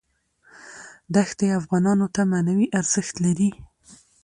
دښتې افغانانو ته معنوي ارزښت لري.